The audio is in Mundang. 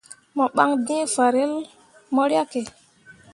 Mo ɓan d̃ǝǝ fanrel mo riahke.